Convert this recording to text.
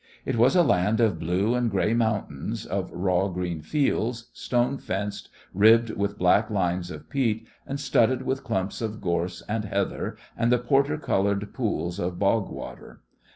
It was a land of blue and grey mountains, of raw green fields, stone fenced, ribbed with black lines of peat, and studded with clumps of gorse and heather and the porter coloured pools of bog water.